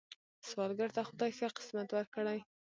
سوالګر ته خدای ښه قسمت ورکړي